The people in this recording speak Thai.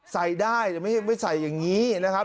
ใส่ได้แต่ไม่ใส่อย่างนี้นะครับ